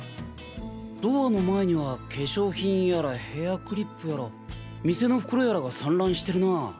ドアの前には化粧品やらヘアクリップやら店の袋やらが散乱してるな。